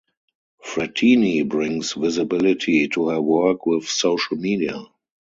Fratini brings visibility to her work with social media.